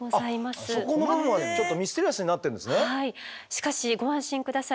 しかしご安心下さい。